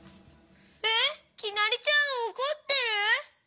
えっきなりちゃんおこってる？